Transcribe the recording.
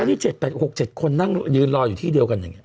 นี่๗๘๖๗คนนั่งยืนรออยู่ที่เดียวกันอย่างนี้